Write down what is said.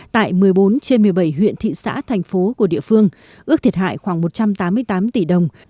tại một mươi bốn trên một mươi bảy huyện thị xã thành phố của địa phương ước thiệt hại khoảng một trăm tám mươi tám tỷ đồng